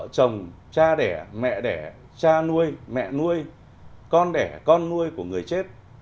chồng cha đẻ mẹ đẻ cha nuôi mẹ nuôi con đẻ con nuôi của người chết